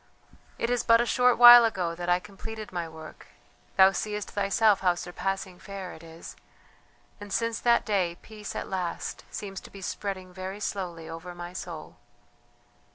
"It is but a short while ago that I completed my work; thou seest thyself how surpassing fair it is, and since that day peace at last seems to be spreading very slowly over my soul...."